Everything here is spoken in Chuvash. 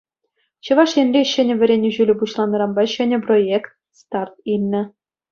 Чӑваш Енре ҫӗнӗ вӗренӳ ҫулӗ пуҫланнӑранпа ҫӗнӗ проект старт илнӗ.